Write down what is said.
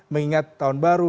mengingat tahun baru